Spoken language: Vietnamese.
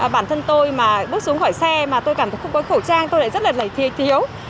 bản thân tôi mà bước xuống khỏi xe mà tôi cảm thấy không có khẩu trang tôi lại rất là thi thiếu